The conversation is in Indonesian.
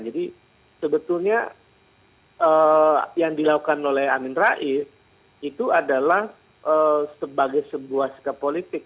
jadi sebetulnya yang dilakukan oleh amin rais itu adalah sebagai sebuah sikap politik